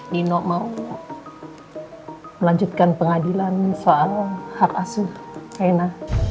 nino mau melanjutkan pengadilan soal hak asuh ena